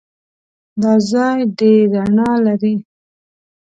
دا ځای ډېر رڼا لري.